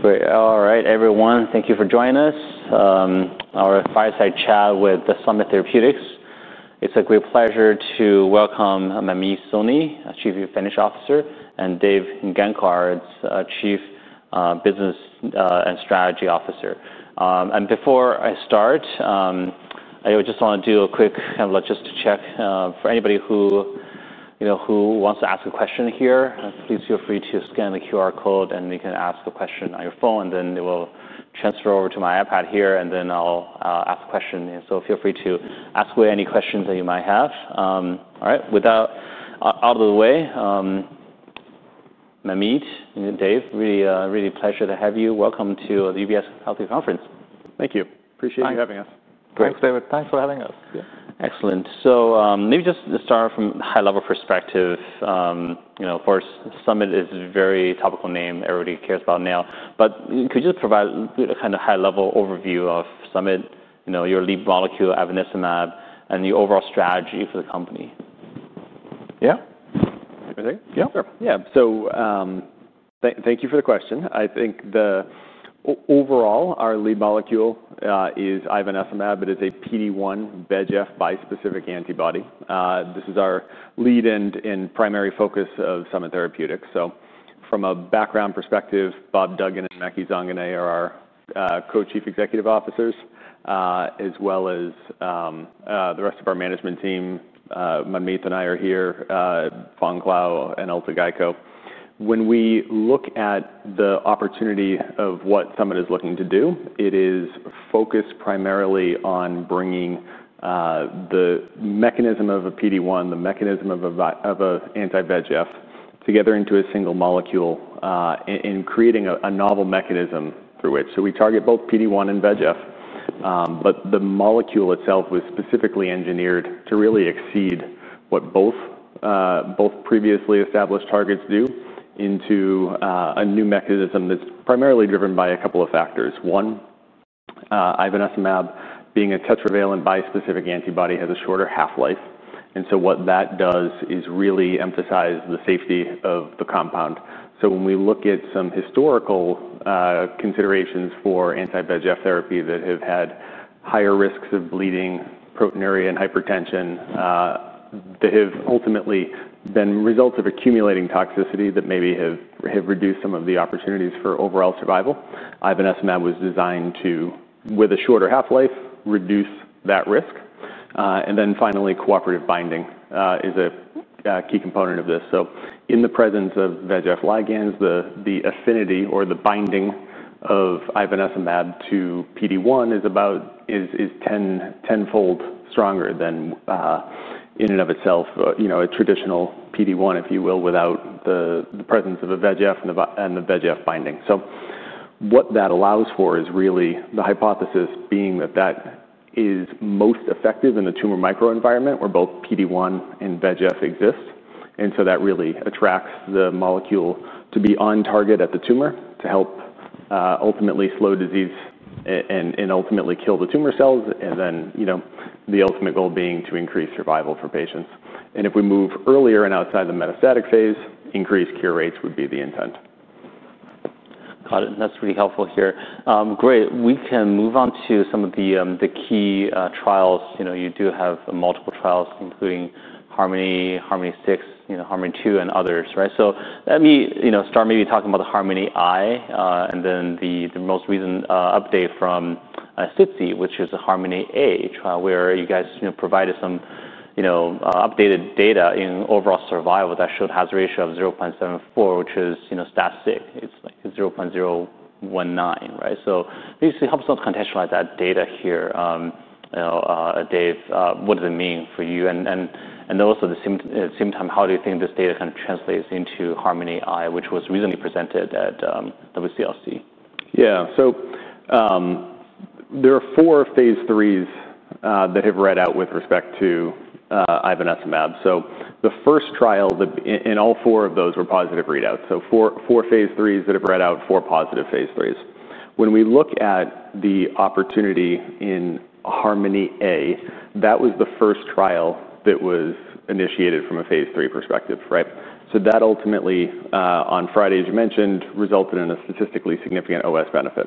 Great. All right, everyone, thank you for joining us, our fireside chat with Summit Therapeutics. It's a great pleasure to welcome Manmeet Soni, Chief Financial Officer, and Dave Gancarz, Chief Business and Strategy Officer. Before I start, I just want to do a quick, let's just check, for anybody who, you know, who wants to ask a question here, please feel free to scan the QR code and we can ask a question on your phone and then it will transfer over to my iPad here and then I'll ask a question. Feel free to ask away any questions that you might have. All right, with that out of the way, Manmeet, Dave. Really, really a pleasure to have you. Welcome to the UBS Healthy Conference. Thank you. Appreciate you having us. Great. Thanks, David. Thanks for having us. Excellent. Maybe just to start from a high-level perspective, you know, of course, Summit is a very topical name. Everybody cares about now. Could you just provide a kind of high-level overview of Summit, you know, your lead molecule, ivonesimab, and the overall strategy for the company? Yeah. You ready? Yeah. Sure. Yeah. Thank you for the question. I think overall, our lead molecule is ivonesimab. It is a PD-1/VEGF bispecific antibody. This is our lead and primary focus of Summit Therapeutics. From a background perspective, Bob Duggan and Maky Zanganeh are our Co-Chief Executive Officers, as well as the rest of our management team. Manmeet and I are here, Fong Clow and Urte Gayko. When we look at the opportunity of what Summit is looking to do, it is focused primarily on bringing the mechanism of a PD-1, the mechanism of a anti-VEGF together into a single molecule, and creating a novel mechanism through which. We target both PD-1 and VEGF, but the molecule itself was specifically engineered to really exceed what both, both previously established targets do into a new mechanism that's primarily driven by a couple of factors. One, ivonesimab, being a tetravalent bispecific antibody, has a shorter half-life. What that does is really emphasize the safety of the compound. When we look at some historical considerations for anti-VEGF therapy that have had higher risks of bleeding, proteinuria, and hypertension, that have ultimately been results of accumulating toxicity that maybe have reduced some of the opportunities for overall survival, ivonesimab was designed to, with a shorter half-life, reduce that risk. Finally, cooperative binding is a key component of this. In the presence of VEGF ligands, the affinity or the binding of ivonesimab to PD-1 is about tenfold stronger than, in and of itself, you know, a traditional PD-1, if you will, without the presence of a VEGF and the VEGF binding. What that allows for is really the hypothesis being that that is most effective in the tumor microenvironment where both PD-1 and VEGF exist. That really attracts the molecule to be on target at the tumor to help ultimately slow disease and, and ultimately kill the tumor cells. You know, the ultimate goal being to increase survival for patients. If we move earlier and outside the metastatic phase, increased cure rates would be the intent. Got it. And that's really helpful here. Great. We can move on to some of the key trials. You know, you do have multiple trials including HARMONi, HARMONi-6, you know, HARMONi-2, and others, right? Let me start maybe talking about theHARMONi-I, and then the most recent update from SITSI, which is aHARMONi-A trial where you guys provided some updated data in overall survival that showed a hazard ratio of 0.74, which is, you know, statistically it's like 0.019, right? This helps us contextualize that data here. You know, Dave, what does it mean for you? And also at the same time, how do you think this data kind of translates into HARMONi-I, which was recently presented at WCLC? Yeah. There are four phase threes that have read out with respect to ivonesimab. The first trial, in all four of those, were positive readouts. Four phase threes that have read out, four positive phase threes. When we look at the opportunity in HARMONi-A, that was the first trial that was initiated from a phase three perspective, right? That ultimately, on Friday, as you mentioned, resulted in a statistically significant OS benefit.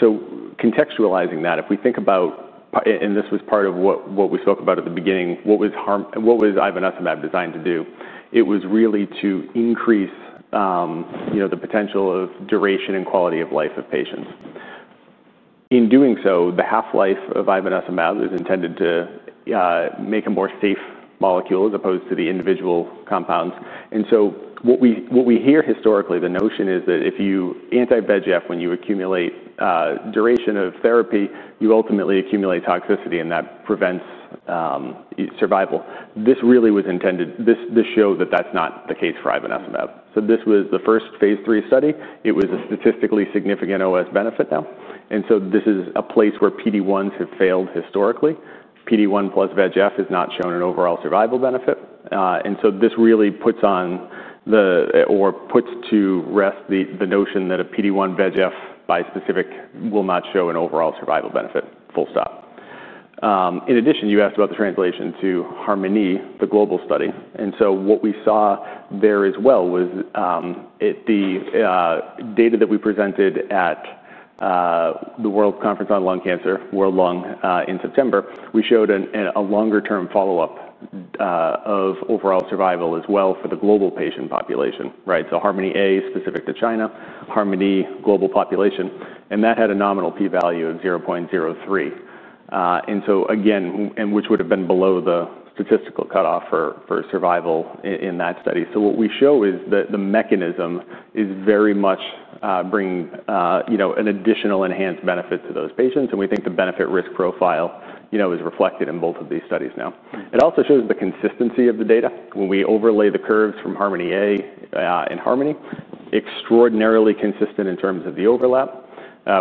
Contextualizing that, if we think about, and this was part of what we spoke about at the beginning, what was HARMONi, what was ivonesimab designed to do? It was really to increase, you know, the potential of duration and quality of life of patients. In doing so, the half-life of ivonesimab is intended to make a more safe molecule as opposed to the individual compounds. What we hear historically, the notion is that if you anti-VEGF, when you accumulate duration of therapy, you ultimately accumulate toxicity and that prevents survival. This really was intended, this showed that that's not the case for ivonesimab. This was the first phase three study. It was a statistically significant OS benefit now. This is a place where PD-1s have failed historically. PD-1 plus VEGF has not shown an overall survival benefit. This really puts to rest the notion that a PD-1/VEGF bispecific will not show an overall survival benefit. Full stop. In addition, you asked about the translation to HARMONi, the global study. What we saw there as well was, the data that we presented at the World Conference on Lung Cancer, World Lung, in September, we showed a longer-term follow-up of overall survival as well for the global patient population, right? HARMONi-A specific to China, HARMONi global population. That had a nominal p-value of 0.03, which would have been below the statistical cutoff for survival in that study. What we show is that the mechanism is very much bringing, you know, an additional enhanced benefit to those patients. We think the benefit-risk profile, you know, is reflected in both of these studies now. It also shows the consistency of the data. When we overlay the curves from HARMONi-A and HARMONi, extraordinarily consistent in terms of the overlap.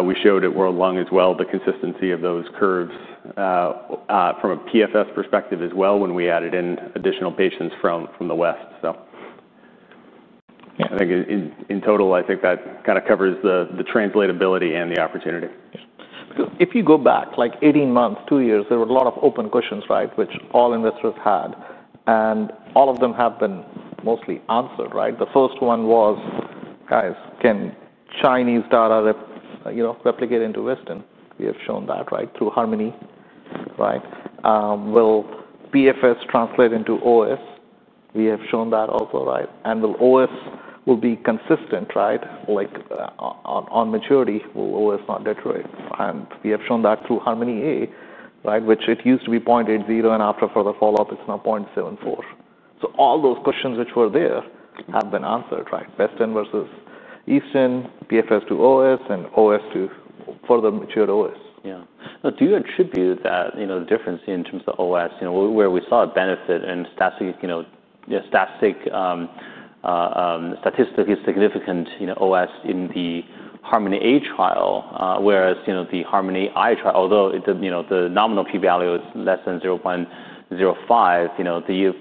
We showed at World Lung as well the consistency of those curves, from a PFS perspective as well when we added in additional patients from the West. Yeah. I think in total, I think that kind of covers the translatability and the opportunity. Yeah. If you go back, like 18 months, two years, there were a lot of open questions, right, which all investors had. And all of them have been mostly answered, right? The first one was, guys, can Chinese data, you know, replicate into Western? We have shown that, right, through HARMONi, right? Will PFS translate into OS? We have shown that also, right? And will OS be consistent, right? Like, on maturity, will OS not deteriorate? We have shown that through HARMONi-A, right, which it used to be 0.80 and after, for the follow-up, it's now 0.74. All those questions which were there have been answered, right? Western versus Eastern, PFS to OS, and OS to further mature OS. Yeah. Now, do you attribute that, you know, the difference in terms of OS, you know, where we saw a benefit and statistically significant, you know, OS in the HARMONi-A trial, whereas, you know, the HARMONi-I trial, although it, you know, the nominal p-value is less than 0.05, you know, the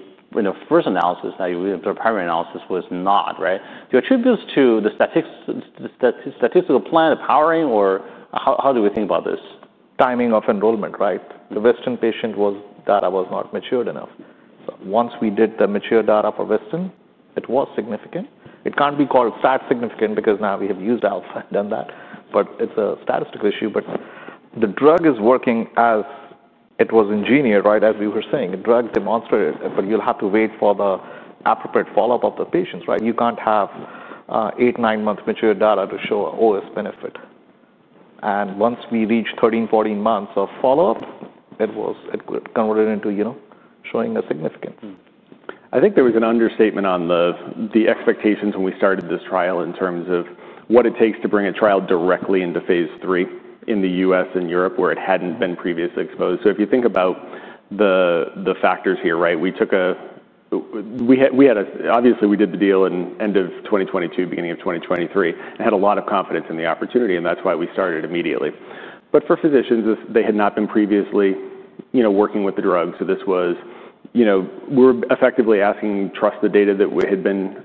first analysis that you, the primary analysis was not, right? Do you attribute this to the statistical plan, the powering, or how, how do we think about this? Timing of enrollment, right? The Western patient data was not matured enough. Once we did the mature data for Western, it was significant. It cannot be called fat significant because now we have used alpha and done that. It is a statistical issue. The drug is working as it was engineered, right, as we were saying. The drug demonstrated, but you will have to wait for the appropriate follow-up of the patients, right? You cannot have eight, nine months mature data to show OS benefit. Once we reach 13,14 months of follow-up, it converted into, you know, showing a significance. I think there was an understatement on the expectations when we started this trial in terms of what it takes to bring a trial directly into phase three in the U.S. and Europe where it had not been previously exposed. If you think about the factors here, right, we had a, obviously, we did the deal in end of 2022, beginning of 2023, and had a lot of confidence in the opportunity. That is why we started immediately. For physicians, this, they had not been previously, you know, working with the drug. This was, you know, we are effectively asking trust the data that we had been,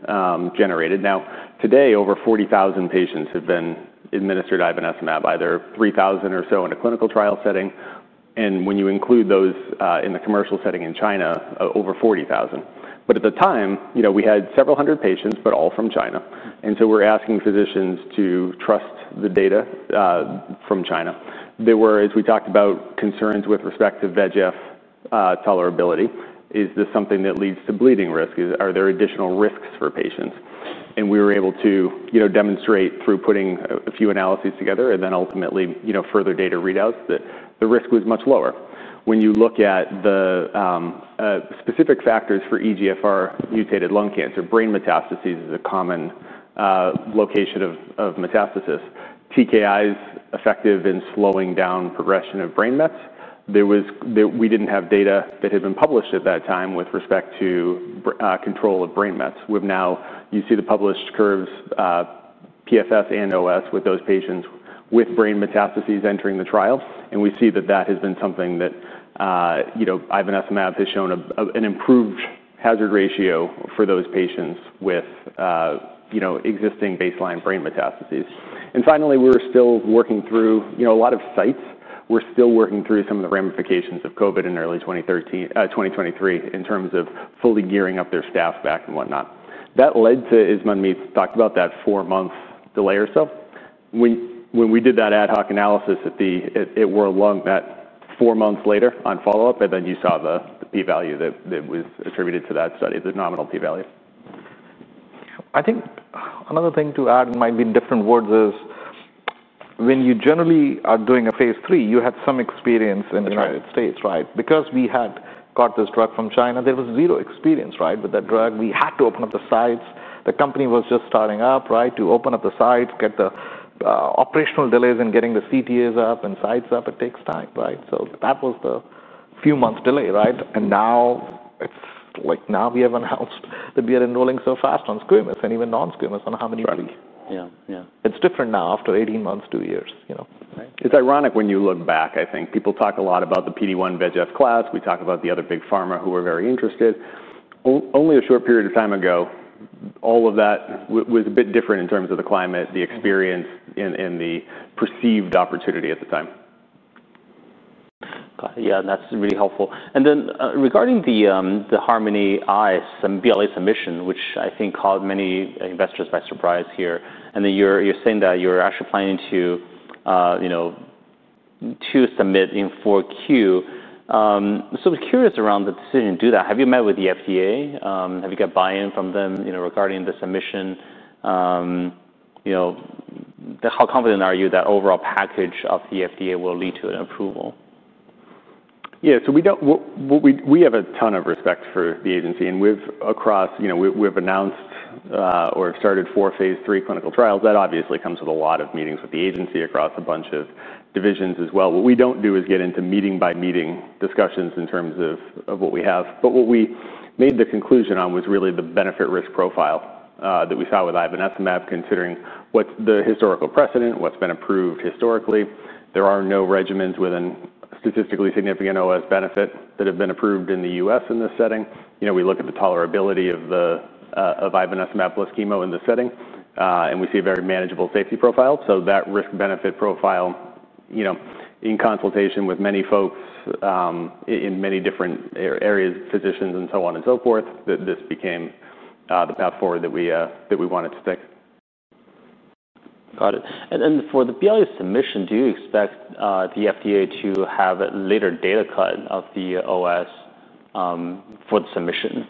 generated. Now, today, over 40,000 patients have been administered ivonesimab, either 3,000 or so in a clinical trial setting. When you include those in the commercial setting in China, over 40,000. At the time, you know, we had several hundred patients, but all from China. We were asking physicians to trust the data from China. There were, as we talked about, concerns with respect to VEGF tolerability. Is this something that leads to bleeding risk? Are there additional risks for patients? We were able to, you know, demonstrate through putting a few analyses together and then ultimately, you know, further data readouts that the risk was much lower. When you look at the specific factors for EGFR-mutated lung cancer, brain metastasis is a common location of metastasis. TKI is effective in slowing down progression of brain mets. We did not have data that had been published at that time with respect to control of brain mets. We've now, you see the published curves, PFS and OS with those patients with brain metastases entering the trial. You know, we see that that has been something that, you know, ivonesimab has shown an improved hazard ratio for those patients with, you know, existing baseline brain metastases. Finally, we're still working through, you know, a lot of sites. We're still working through some of the ramifications of COVID in early 2023 in terms of fully gearing up their staff back and whatnot. That led to, as Manmeet talked about, that four-month delay or so. When we did that ad hoc analysis at World Lung, that four months later on follow-up, you saw the p-value that was attributed to that study, the nominal p-value. I think another thing to add, might be in different words, is when you generally are doing a phase three, you had some experience in the United States, right? Because we had got this drug from China, there was zero experience, right, with that drug. We had to open up the sites. The company was just starting up, right, to open up the sites, get the operational delays in getting the CTAs up and sites up. It takes time, right? That was the few months delay, right? Now it's like now we have announced that we are enrolling so fast on squamous and even non-squamous on HARMONi-3. Right. Yeah. It's different now after 18 months, two years, you know? Right. It's ironic when you look back, I think. People talk a lot about the PD-1/VEGF class. We talk about the other big pharma who were very interested. Only a short period of time ago, all of that was a bit different in terms of the climate, the experience, and the perceived opportunity at the time. Got it. Yeah. And that's really helpful. Then, regarding the HARMONi-I BLA submission, which I think caught many investors by surprise here, you're saying that you're actually planning to submit in 4Q. I was curious around the decision to do that. Have you met with the FDA? Have you got buy-in from them regarding the submission? You know, how confident are you that overall package at the FDA will lead to an approval? Yeah. We have a ton of respect for the agency. We've announced or started four phase three clinical trials. That obviously comes with a lot of meetings with the agency across a bunch of divisions as well. What we don't do is get into meeting-by-meeting discussions in terms of what we have. What we made the conclusion on was really the benefit-risk profile that we saw with ivonesimab considering what's the historical precedent, what's been approved historically. There are no regimens with statistically significant OS benefit that have been approved in the U.S. in this setting. You know, we look at the tolerability of ivonesimab plus chemo in this setting, and we see a very manageable safety profile. That risk-benefit profile, you know, in consultation with many folks, in many different areas, physicians, and so on and so forth, this became the path forward that we wanted to take. Got it. And for the BLA submission, do you expect the FDA to have a later data cut of the OS for the submission?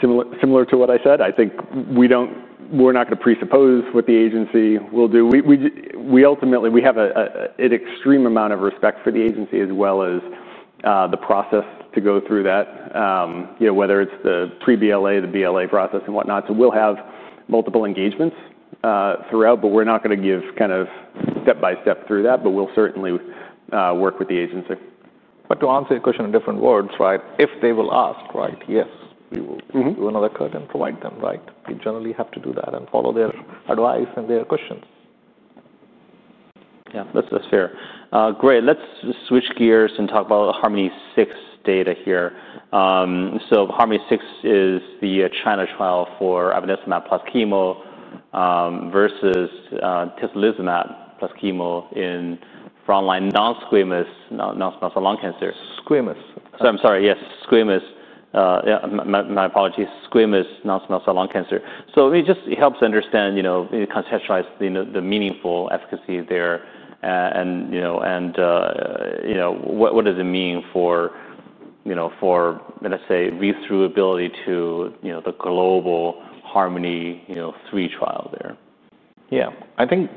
Similar, similar to what I said. I think we don't, we're not gonna presuppose what the agency will do. We, we ultimately, we have an extreme amount of respect for the agency as well as the process to go through that, you know, whether it's the pre-BLA, the BLA process, and whatnot. We'll have multiple engagements throughout, but we're not gonna give kind of step-by-step through that. We'll certainly work with the agency. To answer your question in different words, right, if they will ask, right, yes, we will. Mm-hmm. Do another cut and provide them, right? We generally have to do that and follow their advice and their questions. Yeah. That's fair. Great. Let's switch gears and talk about HARMONi-6 data here. HARMONi-6 is the China trial for ivonesimab plus chemo versus atezolizumab plus chemo in frontline non-squamous non-small cell lung cancer. Squamous. I'm sorry. Yes. Squamous. Yeah, my apologies. Squamous non-small cell lung cancer. It just helps to understand, you know, contextualize the meaningful efficacy there, and, you know, what does it mean for, you know, for, let's say, reachability to, you know, the global HARMONi-3 trial there? Yeah. I think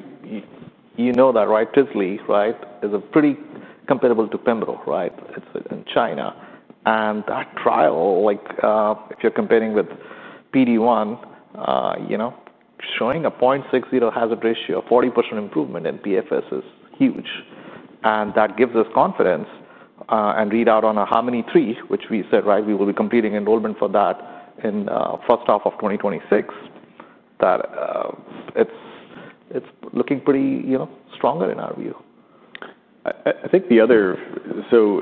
you know that, right? Atezoli, right, is pretty comparable to Pembro, right? It's in China. And that trial, like, if you're comparing with PD-1, you know, showing a 0.60 hazard ratio, 40% improvement in PFS is huge. That gives us confidence, and readout on a HARMONi-3, which we said, right, we will be completing enrollment for that in the first half of 2026, that, it's, it's looking pretty, you know, stronger in our view. I think the other, so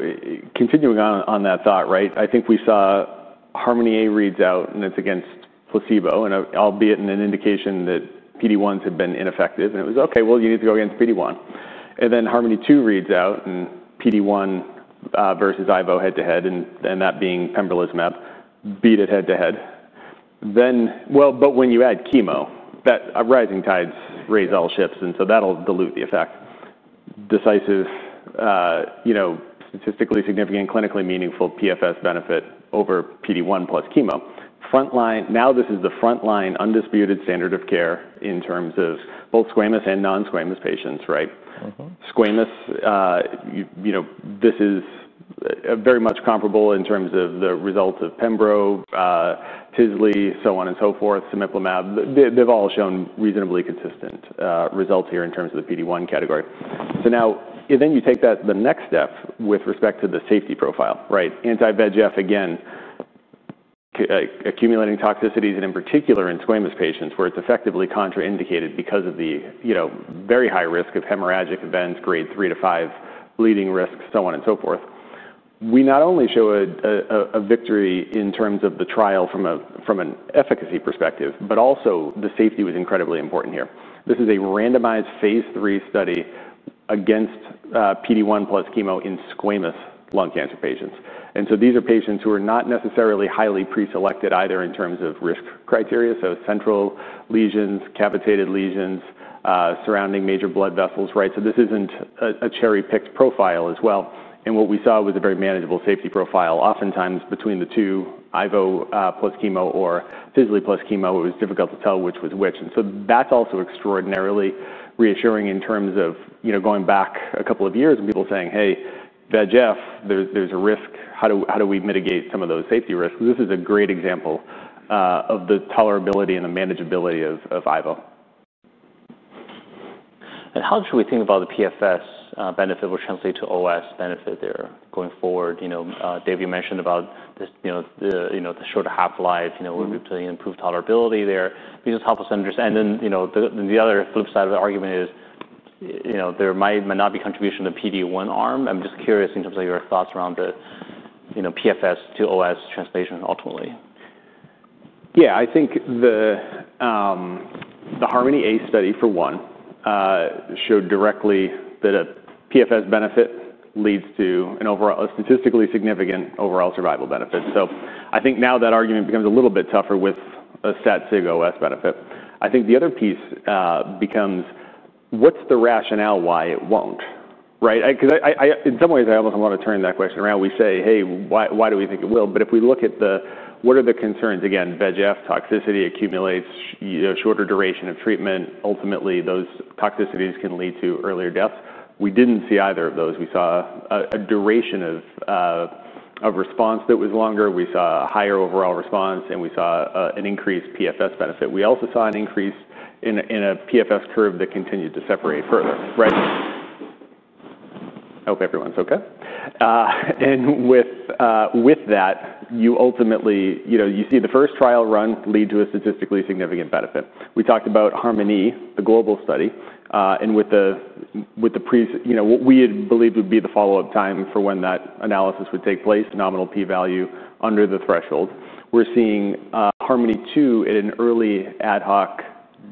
continuing on, on that thought, right, I think we saw HARMONi-A reads out, and it's against placebo, and albeit in an indication that PD-1s had been ineffective. It was, okay, you need to go against PD-1. Then HARMONi-2 reads out, and PD-1, versus Ivo head-to-head, and that being Pembrolizumab beat it head-to-head. When you add chemo, that rising tides raise all ships. That'll dilute the effect. Decisive, you know, statistically significant, clinically meaningful PFS benefit over PD-1 plus chemo. Frontline now, this is the frontline undisputed standard of care in terms of both squamous and non-squamous patients, right? Mm-hmm. Squamous, you know, this is very much comparable in terms of the results of Pembro, Tezli, so on and so forth, Simiplamab. They've all shown reasonably consistent results here in terms of the PD-1 category. Now you take that the next step with respect to the safety profile, right? Anti-VEGF, again, accumulating toxicities, and in particular in squamous patients where it's effectively contraindicated because of the, you know, very high risk of hemorrhagic events, grade three to five, bleeding risk, so on and so forth. We not only show a victory in terms of the trial from an efficacy perspective, but also the safety was incredibly important here. This is a randomized phase three study against PD-1 plus chemo in squamous lung cancer patients. These are patients who are not necessarily highly pre-selected either in terms of risk criteria, so central lesions, cavitated lesions, surrounding major blood vessels, right? This is not a cherry-picked profile as well. What we saw was a very manageable safety profile. Oftentimes between the two, Ivo plus chemo or Tezli plus chemo, it was difficult to tell which was which. That is also extraordinarily reassuring in terms of, you know, going back a couple of years and people saying, "Hey, VEGF, there's a risk. How do we mitigate some of those safety risks?" This is a great example of the tolerability and the manageability of Ivo. How should we think about the PFS benefit will translate to OS benefit there going forward? You know, Dave, you mentioned about this, you know, the short half-life, you know, where we play improved tolerability there. Do you just help us understand? And then, you know, the other flip side of the argument is, you know, there might not be contribution to PD-1 arm. I'm just curious in terms of your thoughts around the, you know, PFS to OS translation ultimately. Yeah. I think the HARMONi-A study for one, showed directly that a PFS benefit leads to an overall statistically significant overall survival benefit. I think now that argument becomes a little bit tougher with a SATSIG OS benefit. I think the other piece becomes what's the rationale why it won't, right? 'Cause I, in some ways, I almost wanna turn that question around. We say, "Hey, why, why do we think it will?" If we look at what are the concerns? Again, VEGF toxicity accumulates, you know, shorter duration of treatment. Ultimately, those toxicities can lead to earlier deaths. We didn't see either of those. We saw a duration of response that was longer. We saw a higher overall response, and we saw an increased PFS benefit. We also saw an increase in a PFS curve that continued to separate further, right? I hope everyone's okay. With that, you ultimately, you know, you see the first trial run lead to a statistically significant benefit. We talked about HARMONi, the global study, and with the pre, you know, what we had believed would be the follow-up time for when that analysis would take place, nominal p-value under the threshold. We're seeing HARMONi-2 at an early ad hoc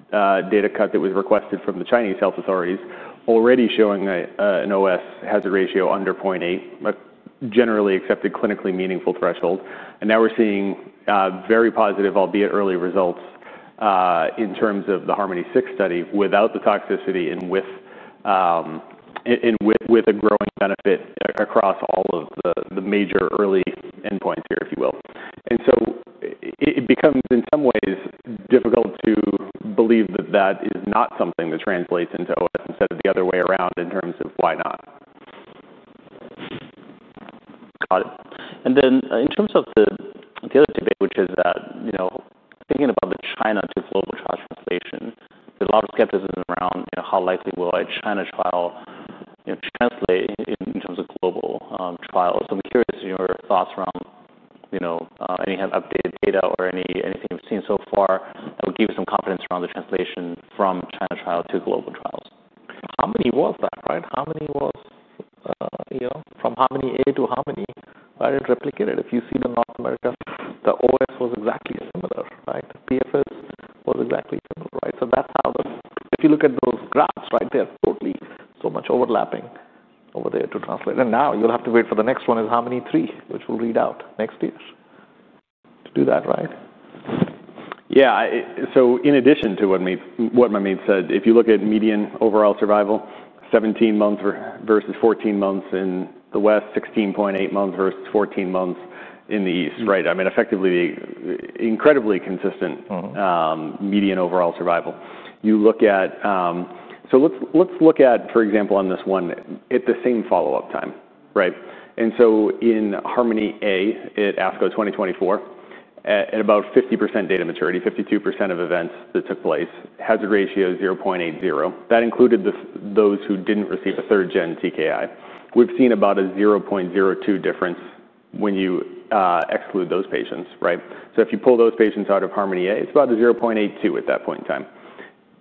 data cut that was requested from the Chinese health authorities already showing an OS hazard ratio under 0.8, a generally accepted clinically meaningful threshold. We are seeing very positive, albeit early results in terms of the HARMONi-6 study without the toxicity and with a growing benefit across all of the major early endpoints here, if you will. It becomes in some ways difficult to believe that that is not something that translates into OS instead of the other way around in terms of why not. Got it. In terms of the other debate, which is that, you know, thinking about the China to global trial translation, there's a lot of skepticism around, you know, how likely will a China trial, you know, translate in terms of global trials? I'm curious in your thoughts around, you know, any kind of updated data or anything you've seen so far that would give you some confidence around the translation from China trial to global trials. How many was that, right? How many was, you know, from HARMONi-A to HARMONi? I didn't replicate it. If you see in North America, the OS was exactly similar, right? PFS was exactly similar, right? If you look at those graphs, right, they're totally so much overlapping over there to translate. You have to wait for the next one. HARMONi-3 will read out next year to do that, right? Yeah. In addition to what Manmeet said, if you look at median overall survival, 17 months versus 14 months in the West, 16.8 months versus 14 months in the East, right? I mean, effectively the incredibly consistent. Mm-hmm. Median overall survival. You look at, so let's, let's look at, for example, on this one. At the same follow-up time, right? In HARMONi-A at ASCO 2024, at about 50% data maturity, 52% of events that took place, hazard ratio 0.80. That included those who didn't receive a third-gen TKI. We've seen about a 0.02 difference when you exclude those patients, right? If you pull those patients out of HARMONi-A, it's about a 0.82 at that point in time.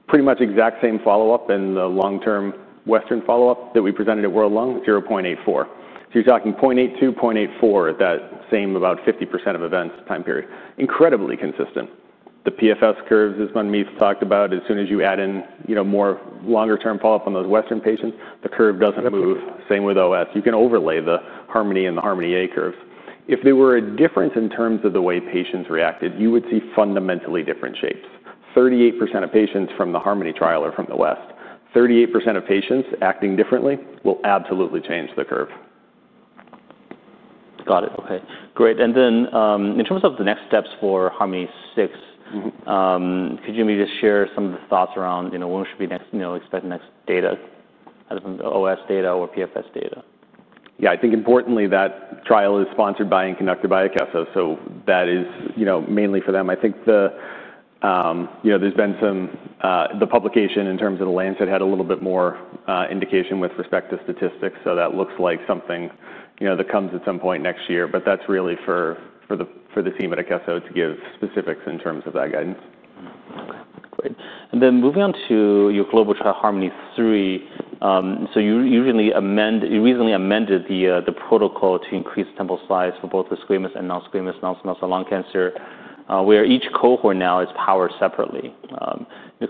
Pretty much exact same follow-up in the long-term Western follow-up that we presented at World Lung, 0.84. You're talking 0.82, 0.84 at that same about 50% of events time period. Incredibly consistent. The PFS curves as Manmeet talked about, as soon as you add in, you know, more longer-term follow-up on those Western patients, the curve doesn't move. Same with OS. You can overlay the HARMONi and the HARMONi-A curves. If there were a difference in terms of the way patients reacted, you would see fundamentally different shapes. 38% of patients from the HARMONi trial are from the West. 38% of patients acting differently will absolutely change the curve. Got it. Okay. Great. In terms of the next steps for HARMONi-6, could you maybe just share some of the thoughts around, you know, when should we next, you know, expect next data out of OS data or PFS data? Yeah. I think importantly that trial is sponsored by and conducted by Akeso. So that is, you know, mainly for them. I think the, you know, there's been some, the publication in terms of the Lancet had a little bit more, indication with respect to statistics. So that looks like something, you know, that comes at some point next year. But that's really for, for the for the team at Akeso to give specifics in terms of that guidance. Okay. Great. Moving on to your global trial HARMONi-3, you recently amended the protocol to increase sample size for both the squamous and non-squamous non-small cell lung cancer, where each cohort now is powered separately.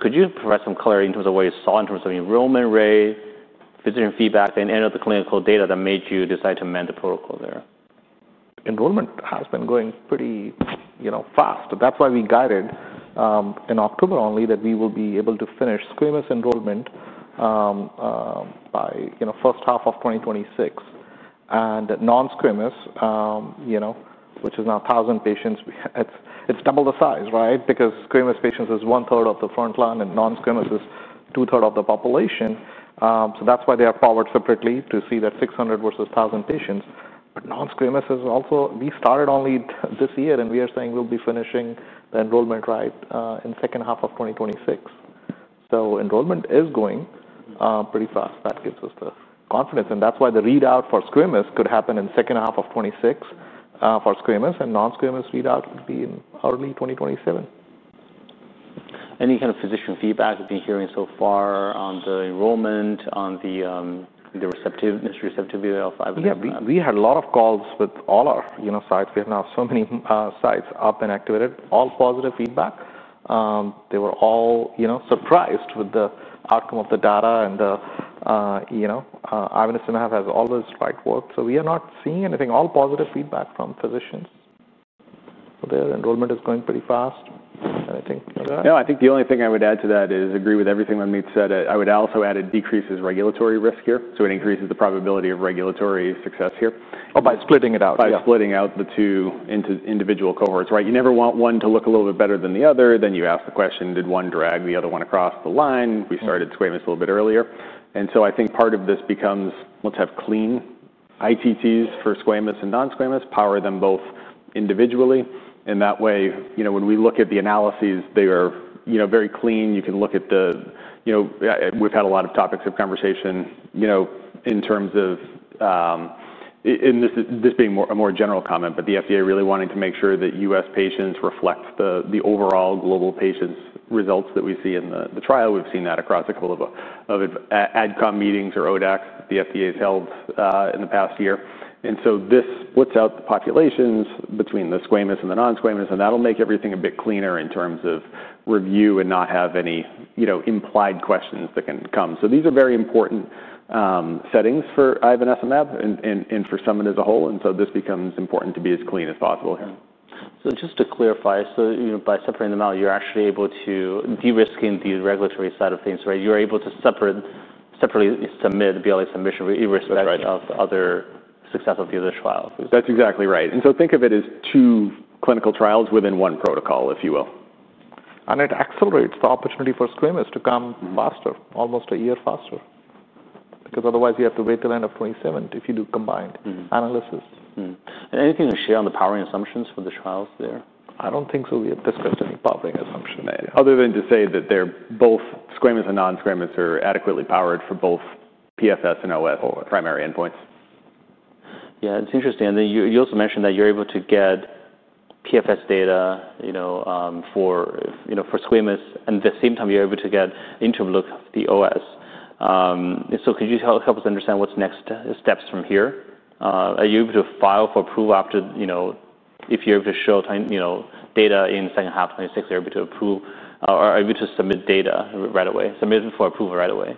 Could you provide some clarity in terms of what you saw in terms of enrollment rate, physician feedback, and any other clinical data that made you decide to amend the protocol there? Enrollment has been going pretty, you know, fast. That's why we guided, in October only that we will be able to finish squamous enrollment, by, you know, first half of 2026. And non-squamous, you know, which is now 1,000 patients, it's double the size, right? Because squamous patients is 1/3 of the front line and non-squamous is 2/3 of the population. so that's why they are powered separately to see that 600 versus 1,000 patients. But non-squamous is also we started only this year, and we are saying we'll be finishing the enrollment right, in second half of 2026. Enrollment is going pretty fast. That gives us the confidence. That's why the readout for squamous could happen in second half of 2026, for squamous, and non-squamous readout would be in early 2027. Any kind of physician feedback you've been hearing so far on the enrollment, on the receptiveness, receptivity of IV? Yeah. We had a lot of calls with all our, you know, sites. We have now so many sites up and activated, all positive feedback. They were all, you know, surprised with the outcome of the data and the, you know, ivonesimab have always right work. So we are not seeing anything, all positive feedback from physicians. Their enrollment is going pretty fast. I think. No, I think the only thing I would add to that is agree with everything Manmeet said. I would also add it decreases regulatory risk here. So it increases the probability of regulatory success here. Oh, by splitting it out, right? By splitting out the two into individual cohorts, right? You never want one to look a little bit better than the other. Then you ask the question, did one drag the other one across the line? We started squamous a little bit earlier. I think part of this becomes let's have clean ITTs for squamous and non-squamous, power them both individually. That way, you know, when we look at the analyses, they are, you know, very clean. You can look at the, you know, we've had a lot of topics of conversation, you know, in terms of, in this, this being more a more general comment, but the FDA really wanting to make sure that U.S. patients reflect the overall global patients' results that we see in the trial. We've seen that across a couple of AdCom meetings or ODACs that the FDA's held in the past year. This splits out the populations between the squamous and the non-squamous. That'll make everything a bit cleaner in terms of review and not have any, you know, implied questions that can come. These are very important settings for ivonesimab and for Summit as a whole. This becomes important to be as clean as possible here. Just to clarify, by separating them out, you're actually able to de-risk the regulatory side of things, right? You're able to separately submit the BLA submission with respect, right, of other success of the other trial. That's exactly right. Think of it as two clinical trials within one protocol, if you will. It accelerates the opportunity for squamous to come faster, almost a year faster, because otherwise you have to wait till the end of 2027 if you do combined analysis. Mm-hmm. Anything to share on the powering assumptions for the trials there? I don't think so we have discussed any powering assumption. Other than to say that they're both squamous and non-squamous are adequately powered for both PFS and OS primary endpoints. Yeah. It's interesting. And then you also mentioned that you're able to get PFS data, you know, for squamous, and at the same time you're able to get interim look of the OS. So could you help us understand what's next steps from here? Are you able to file for approval after, you know, if you're able to show, you know, data in second half 2026, you're able to approve, or are you able to submit data right away, submit it for approval right away?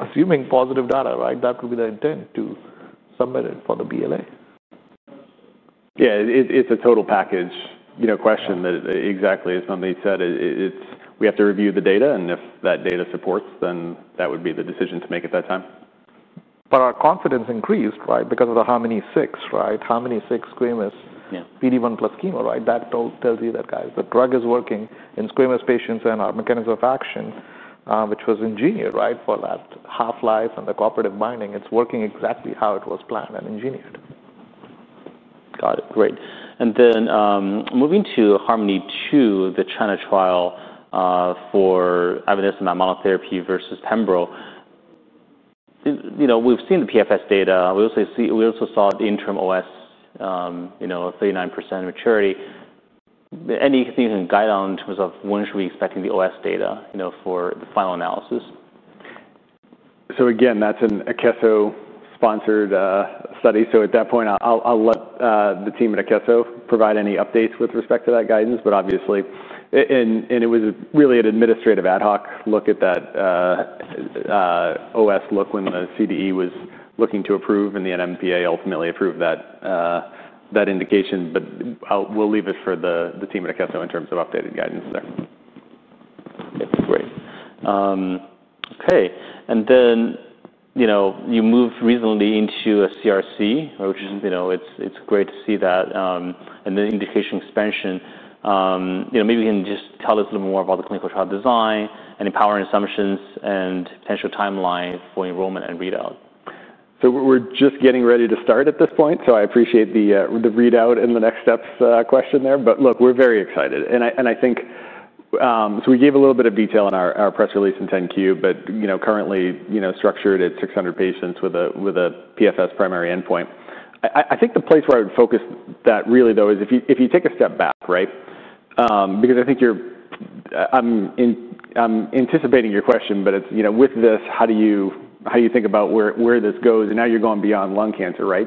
Assuming positive data, right? That would be the intent to submit it for the BLA. Yeah. It's a total package, you know, question that exactly as Manmeet said, it's we have to review the data. And if that data supports, then that would be the decision to make at that time. Our confidence increased, right, because of the HARMONi-6, right? HARMONi-6 squamous. Yeah. PD-1 plus chemo, right? That told, tells you that, guys, the drug is working in squamous patients and our mechanism of action, which was engineered, right, for that half-life and the cooperative binding. It's working exactly how it was planned and engineered. Got it. Great. Then, moving to HARMONi-2, the China trial, for ivonesimab monotherapy versus pembro. You know, we've seen the PFS data. We also saw the interim OS, you know, 39% maturity. Anything you can guide on in terms of when should we be expecting the OS data, you know, for the final analysis? Again, that's an Akeso sponsored study. At that point, I'll let the team at Akeso provide any updates with respect to that guidance. Obviously, it was really an administrative ad hoc look at that OS look when the CDE was looking to approve and the NMPA ultimately approved that indication. I'll leave it for the team at Akeso in terms of updated guidance there. Great. Okay. And then, you know, you moved recently into a CRC, which, you know, it's great to see that. And indication expansion. You know, maybe you can just tell us a little more about the clinical trial design and powering assumptions and potential timeline for enrollment and readout. We're just getting ready to start at this point. I appreciate the readout and the next steps question there. Look, we're very excited. I think we gave a little bit of detail in our press release and 10Q, but currently, you know, structured at 600 patients with a PFS primary endpoint. I think the place where I would focus that really though is if you take a step back, right? Because I think I'm anticipating your question, but it's, you know, with this, how do you think about where this goes? Now you're going beyond lung cancer, right?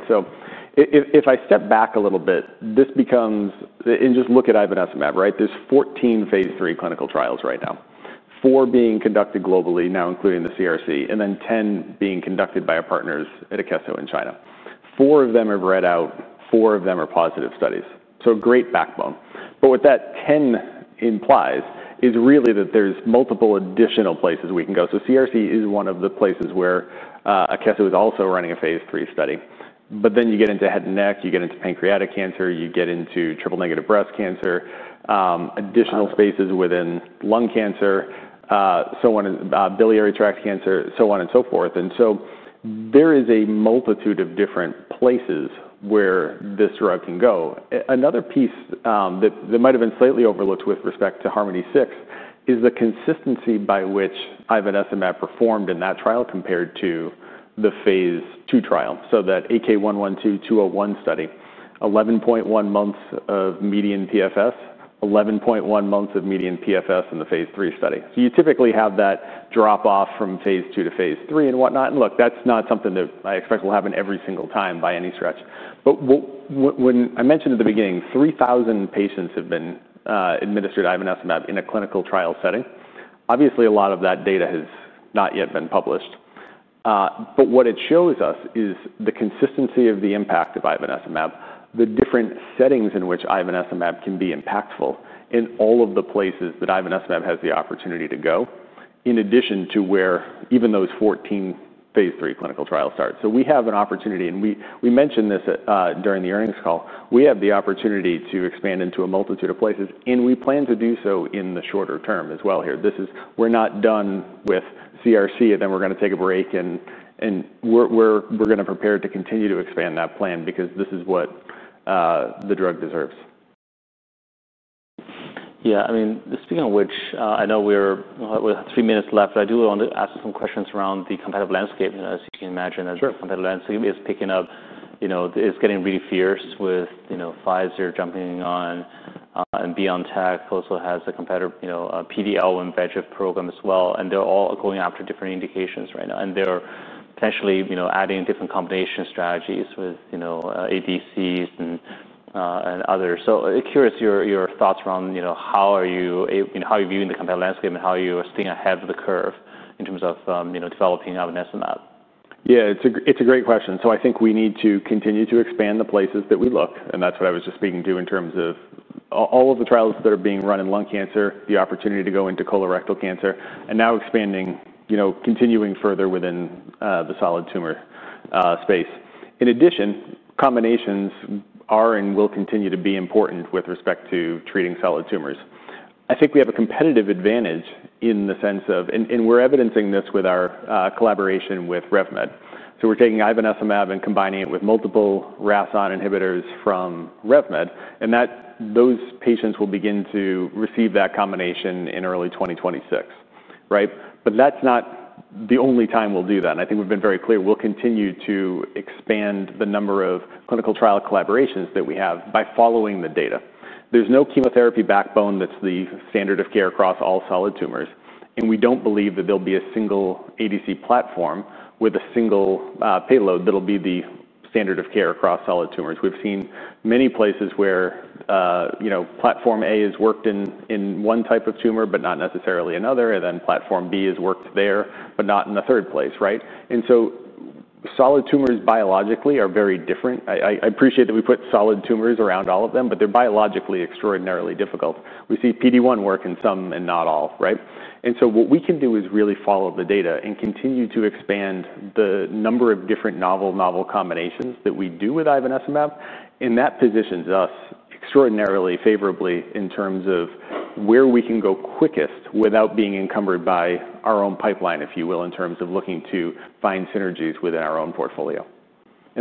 If I step back a little bit, this becomes, and just look at ivonesimab, right? There's 14 phase three clinical trials right now, four being conducted globally now, including the CRC, and then 10 being conducted by our partners at Akeso in China. Four of them have read out. Four of them are positive studies. Great backbone. What that 10 implies is really that there's multiple additional places we can go. CRC is one of the places where Akeso is also running a phase three study. You get into head and neck, you get into pancreatic cancer, you get into triple negative breast cancer, additional spaces within lung cancer, biliary tract cancer, so on and so forth. There is a multitude of different places where this drug can go. Another piece that might have been slightly overlooked with respect to HARMONi-6 is the consistency by which ivonesimab performed in that trial compared to the phase two trial. That AK112201 study, 11.1 months of median PFS, 11.1 months of median PFS in the phase three study. You typically have that drop off from phase two to phase three and whatnot. That is not something that I expect will happen every single time by any stretch. When I mentioned at the beginning, 3,000 patients have been administered ivonesimab in a clinical trial setting. Obviously, a lot of that data has not yet been published. What it shows us is the consistency of the impact of ivonesimab, the different settings in which ivonesimab can be impactful, in all of the places that ivonesimab has the opportunity to go, in addition to where even those 14 phase three clinical trials start. We have an opportunity, and we mentioned this during the earnings call. We have the opportunity to expand into a multitude of places, and we plan to do so in the shorter term as well here. This is, we're not done with CRC, and then we're going to take a break. We're going to prepare to continue to expand that plan because this is what the drug deserves. Yeah. I mean, speaking of which, I know we have three minutes left, but I do want to ask some questions around the competitive landscape, you know, as you can imagine. Sure. As the competitive landscape is picking up, you know, it's getting really fierce with, you know, Pfizer jumping on, and BioNTech also has a competitive, you know, PD-1 and VEGF program as well. They're all going after different indications right now. They're potentially, you know, adding different combination strategies with, you know, ADCs and others. Curious your thoughts around, you know, how are you, you know, how are you viewing the competitive landscape and how are you staying ahead of the curve in terms of, you know, developing ivonesimab? Yeah. It's a great question. I think we need to continue to expand the places that we look. That's what I was just speaking to in terms of all of the trials that are being run in lung cancer, the opportunity to go into colorectal cancer, and now expanding, you know, continuing further within the solid tumor space. In addition, combinations are and will continue to be important with respect to treating solid tumors. I think we have a competitive advantage in the sense of, and we're evidencing this with our collaboration with RevMed. We're taking ivonesimab and combining it with multiple RAS inhibitors from RevMed. Those patients will begin to receive that combination in early 2026, right? That's not the only time we'll do that. I think we've been very clear. We'll continue to expand the number of clinical trial collaborations that we have by following the data. There's no chemotherapy backbone that's the standard of care across all solid tumors. We don't believe that there'll be a single ADC platform with a single payload that'll be the standard of care across solid tumors. We've seen many places where, you know, platform A has worked in one type of tumor, but not necessarily another. Then platform B has worked there, but not in the third place, right? Solid tumors biologically are very different. I appreciate that we put solid tumors around all of them, but they're biologically extraordinarily difficult. We see PD-1 work in some and not all, right? What we can do is really follow the data and continue to expand the number of different novel, novel combinations that we do with ivonesimab. That positions us extraordinarily favorably in terms of where we can go quickest without being encumbered by our own pipeline, if you will, in terms of looking to find synergies within our own portfolio.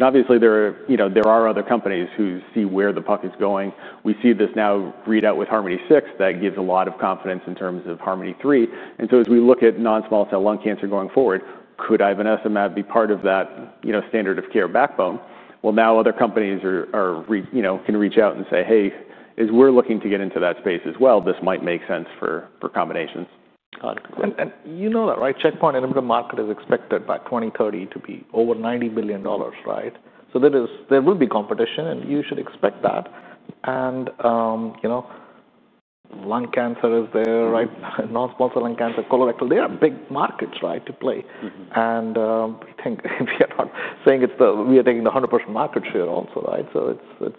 Obviously, there are, you know, there are other companies who see where the puck is going. We see this now readout with HARMONi-6 that gives a lot of confidence in terms of HARMONi-3. As we look at non-small cell lung cancer going forward, could ivonesimab be part of that, you know, standard of care backbone? Now other companies are, you know, can reach out and say, "Hey, as we're looking to get into that space as well, this might make sense for, for combinations. Got it. Great. You know that, right? Checkpoint inhibitor market is expected by 2030 to be over $90 billion, right? There will be competition, and you should expect that. You know, lung cancer is there, right? Non-small cell lung cancer, colorectal, they are big markets, right, to play. Mm-hmm. We think we are not saying we are taking the 100% market share also, right? It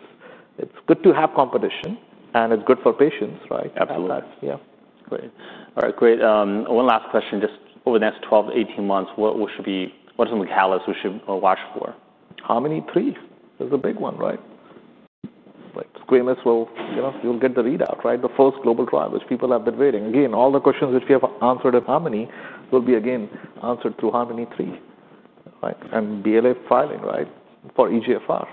is good to have competition, and it is good for patients, right? Absolutely. That's, yeah. Great. All right. Great. One last question. Just over the next 12, 18 months, what should be, what are some catalysts we should watch for? HARMONi-3 is a big one, right? Right. Squamous will, you know, you'll get the readout, right? The first global trial, which people have been waiting. Again, all the questions which we have answered in HARMONi will be again answered through HARMONi-3, right? BLA filing, right, for EGFR.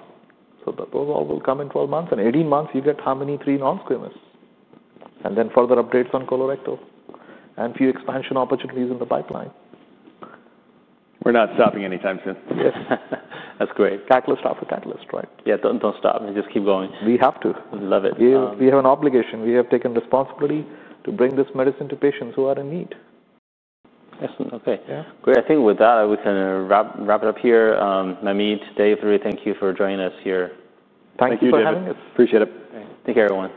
Those all will come in 12 months. In 18 months, you get HARMONi-3 non-squamous. Further updates on colorectal and few expansion opportunities in the pipeline. We're not stopping anytime soon. Yes. That's great. Catalyst after catalyst, right? Yeah. Don't stop. Just keep going. We have to. We love it. We have an obligation. We have taken responsibility to bring this medicine to patients who are in need. Excellent. Okay. Yeah. Great. I think with that, we can wrap it up here. Manmeet, Dave, thank you for joining us here. Thank you for having us. Thank you for having us. Appreciate it. Thank you.